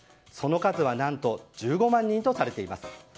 その数は何と１５万人とされています。